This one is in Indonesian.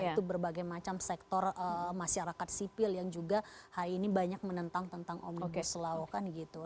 itu berbagai macam sektor masyarakat sipil yang juga hari ini banyak menentang tentang omnibus law kan gitu